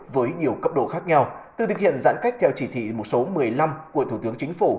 với nhiều cấp độ khác nhau từ thực hiện giãn cách theo chỉ thị một số một mươi năm của thủ tướng chính phủ